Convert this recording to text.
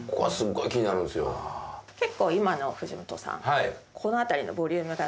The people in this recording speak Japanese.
結構今の藤本さん。